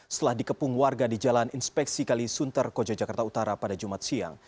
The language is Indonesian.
setelah dikepung warga di jalan inspeksi kalisunter koja jakarta utara pada jumat siang